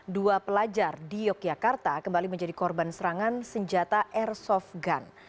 dua pelajar di yogyakarta kembali menjadi korban serangan senjata airsoft gun